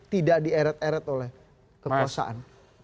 tidak di eret eret oleh kekuasaan